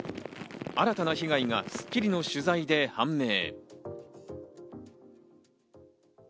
新たな被害が『スッキリ』の取材で判明。